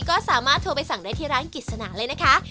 ก็สามารถโทรไปสั่งได้ที่ร้านกิจสนาเลยนะคะ